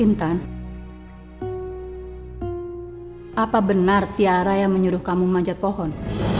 intan apa benar tiara yang menyuruh kamu memanjat pohon